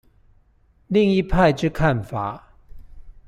另一派之看法